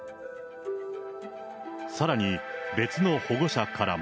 さらに、別の保護者からも。